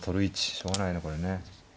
しょうがないねこれね。